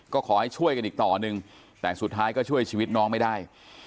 ก็ขอให้ช่วยกันอีกต่อหนึ่งแต่สุดท้ายก็ช่วยชีวิตน้องไม่ได้